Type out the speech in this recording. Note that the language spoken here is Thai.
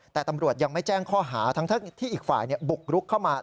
แต่ตำรวจยังไม่แจ้งข้อหาทั้งที่อีกฝ่ายบุกรุกเข้ามา